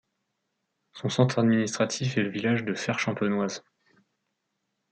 Son centre administratif est le village de Ferchampenouaz.